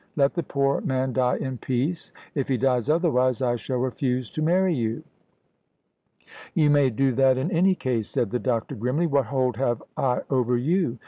Let the poor man die in peace. If he dies otherwise, I shall refuse to marry you." "You may do that in any case," said the doctor grimly. "What hold have I over you?"